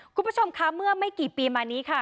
คุณผู้ชมคะเมื่อไม่กี่ปีมานี้ค่ะ